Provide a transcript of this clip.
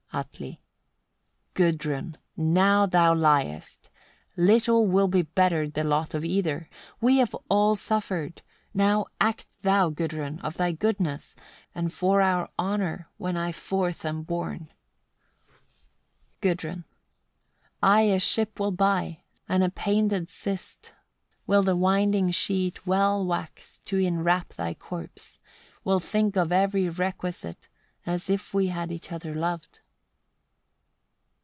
Atli. 101. Gudrun! now thou liest. Little will be bettered the lot of either: we have all suffered. Now act thou, Gudrun! of thy goodness, and for our honour, when I forth am borne. Gudrun. 102. I a ship will buy, and a painted cist; will the winding sheet well wax, to enwrap thy corpse; will think of every requisite, as if we had each other loved.